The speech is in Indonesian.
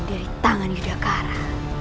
dari tangan yudhacara